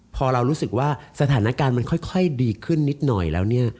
พอเรารู้สึกว่าสถานการณ์มันค่อยดีขึ้นนิดหน่อยแล้วเนี่ย